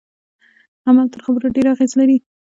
عمل تر خبرو ډیر اغیز لري.